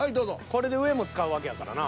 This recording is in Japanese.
これで上も使うわけやからな。